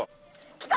来た！